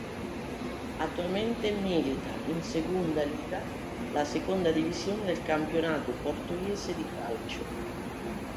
Attualmente milita in Segunda Liga, la seconda divisione del campionato portoghese di calcio.